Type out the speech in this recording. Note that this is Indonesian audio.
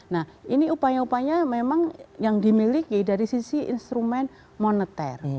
nah ini upaya upaya memang yang dimiliki dari sisi instrumen moneter